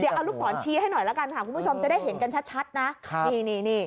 เดี๋ยวเอาลูกศรชี้ให้หน่อยละกันค่ะคุณผู้ชมจะได้เห็นกันชัดนะครับนี่นี่